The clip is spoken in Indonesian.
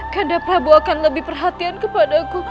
kandaprabu akan lebih perhatian kepada aku